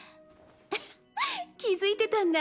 あはっ気付いてたんだ。